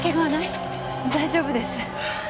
大丈夫です。